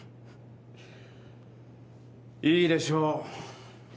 いいでしょう。